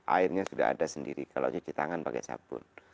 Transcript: airnya sudah ada sendiri kalau cuci tangan pakai sabun